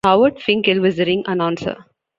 Howard Finkel was the ring announcer.